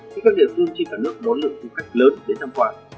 khi các địa phương trên cả nước đón lượng du khách lớn đến thăm quà